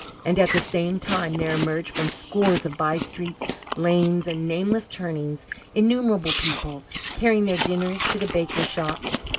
And at the same time there emerged from scores of by streets, lanes, and nameless turnings, innumerable people, carrying their dinners to the bakers' shops.